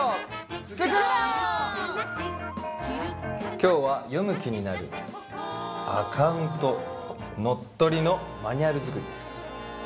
今日は読む気になるアカウントのっとりのマニュアル作りです。